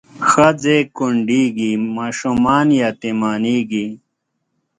ښځې کونډېږي ماشومان یتیمانېږي